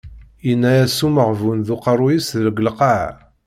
Yenna-as umeɣbun d uqerruy-is deg lqaɛa.